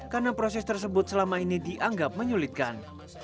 karena proses tersebut selama ini dianggap menyulitkan